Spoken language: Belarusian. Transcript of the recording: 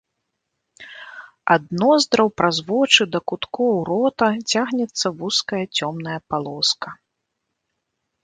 Ад ноздраў праз вочы да куткоў рота цягнецца вузкая цёмная палоска.